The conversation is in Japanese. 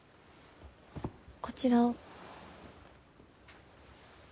こちらを。